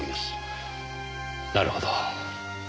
なるほど。